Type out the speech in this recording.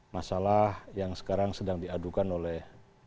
masalah yang sekarang sedang diadukan oleh